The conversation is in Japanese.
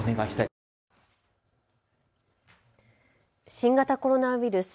新型コロナウイルス。